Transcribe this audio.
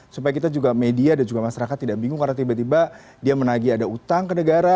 supaya kita juga media dan juga masyarakat tidak bingung karena tiba tiba dia menagi ada utang ke negara